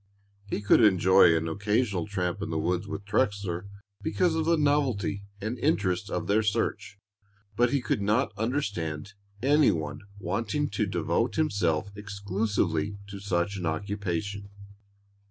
He could enjoy an occasional tramp in the woods with Trexler because of the novelty and interest of their search; but he could not understand any one wanting to devote himself exclusively to such an occupation.